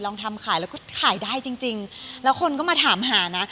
ลองทำขายแล้วก็ขายได้จริงจริงแล้วคนก็มาถามหานะ